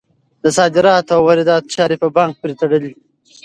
د صادراتو او وارداتو چارې په بانک پورې تړلي دي.